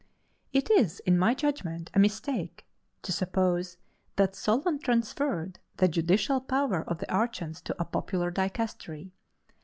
It is, in my judgment, a mistake to suppose that Solon transferred the judicial power of the archons to a popular dicastery.